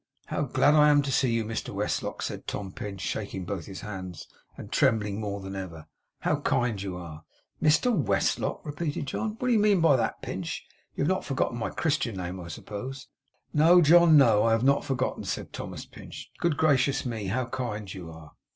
'How glad I am to see you, Mr Westlock!' said Tom Pinch, shaking both his hands, and trembling more than ever. 'How kind you are!' 'Mr Westlock!' repeated John, 'what do you mean by that, Pinch? You have not forgotten my Christian name, I suppose?' 'No, John, no. I have not forgotten,' said Thomas Pinch. 'Good gracious me, how kind you are!